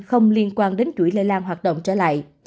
không liên quan đến chuỗi lây lan hoạt động trở lại